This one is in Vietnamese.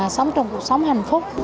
sống trong cuộc sống hạnh phúc